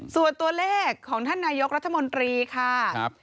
ส่วนตัวเลขของท่านนายกรัฐมนตรีค่ะ